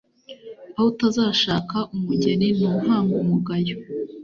Aho utazashaka umugeni ntuhanga umugayo.